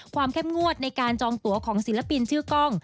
เข้มงวดในการจองตัวของศิลปินชื่อกล้อง